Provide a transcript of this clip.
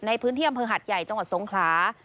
ในพื้นที่อำเภอหัดใหญ่จังหวัดสงขลา